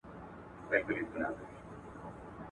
که لوی شوم ځمه د ملا غوږ کې آذان کومه